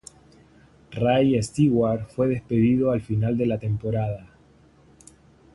Ray Stewart fue despedido al final de temporada.